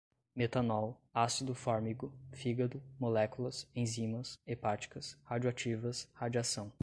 metanol, ácido fórmigo, fígado, moléculas, enzimas, hepáticas, radioativas, radiação